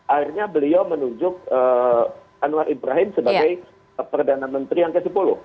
akhirnya beliau menunjuk anwar ibrahim sebagai perdana menteri yang ke sepuluh